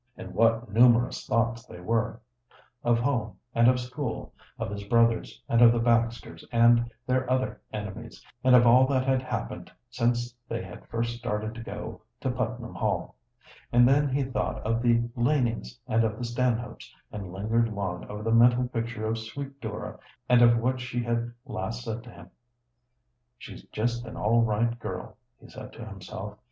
And what numerous thoughts they were of home and of school, of his brothers, and of the Baxters and their other enemies, and of all that had happened since they had first started to go to Putnam Hall. And then he thought of the Lanings and of the Stanhopes, and lingered long over the mental picture of sweet Dora and of what she had last said to him. "She's just an all right girl," he said to himself.